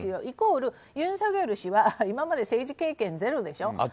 イコール、ユン・ソギョル氏はいままで政治経験ゼロでしょう。